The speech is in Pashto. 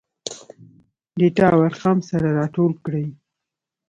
ډاټا او ارقام سره راټول کړي.